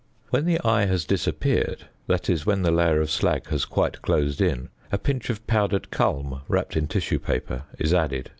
When the eye has disappeared that is, when the layer of slag has quite closed in a pinch of powdered culm wrapped in tissue paper is added.